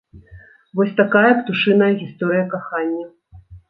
Вось такая птушыная гісторыя кахання.